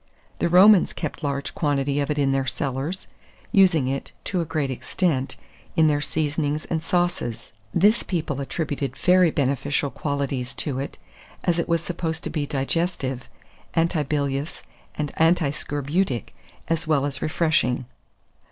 The Romans kept large quantities of it in their cellars, using it, to a great extent, in their seasonings and sauces. This people attributed very beneficial qualities to it, as it was supposed to be digestive, antibilious, and antiscorbutic, as well as refreshing.